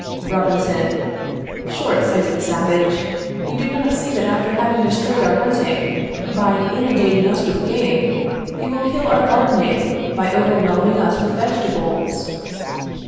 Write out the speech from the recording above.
Robinson. Short sighted savage! You do not see that after having destroyed our hunting, by inundating us with game, he will kill our gardening by overwhelming us with vegetables.